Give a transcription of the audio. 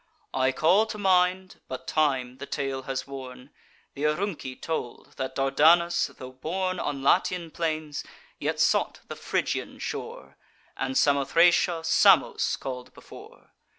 I call to mind (but time the tale has worn) Th' Arunci told, that Dardanus, tho' born On Latian plains, yet sought the Phrygian shore, And Samothracia, Samos call'd before.